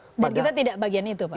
dan kita tidak bagian itu pak